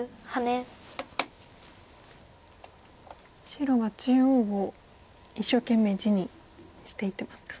白は中央を一生懸命地にしていってますか。